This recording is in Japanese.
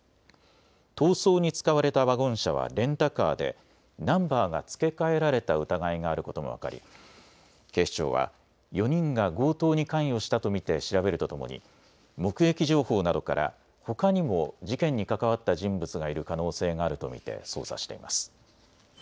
逃走に使われたワゴン車はレンタカーでナンバーが付け替えられた疑いがあることが分かり、警視庁は４人が強盗に関与したと見て調べるとともに目撃情報などからほかにも事件に関わった人物がいる可能性があると見て捜査しています。